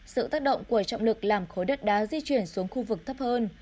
sự tác động của trọng lực làm khối đất đá di chuyển xuống khu vực thấp hơn